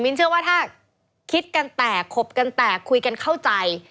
เชื่อว่าถ้าคิดกันแตกขบกันแตกคุยกันเข้าใจ